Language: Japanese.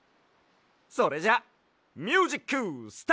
それじゃあミュージックスタート！